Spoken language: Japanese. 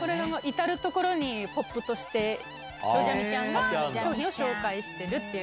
至る所にポップとして、ろぢゃミちゃんが商品を紹介してるっていう。